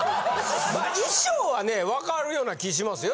衣装はねわかるような気しますよ。